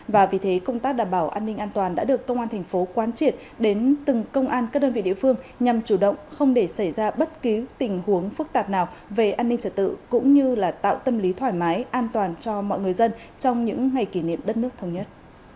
và vì thế công tác đảm bảo an ninh an toàn đã được công an thành phố quan triệt đến từng công an các đơn vị địa phương nhằm chủ động không để xảy ra bất cứ tình huống phức tạp nào về an ninh trật tự cũng như là tạo tâm lý thoải mái an toàn cho mọi người dân trong những ngày kỷ niệm đất nước thống nhất